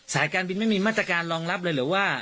การบินไม่มีมาตรการรองรับเลยหรือว่า